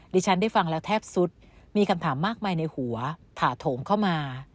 ดิฉันได้ฟังแล้วแทบสุดมีคำถามมากมายในหัวถาโถมเข้ามา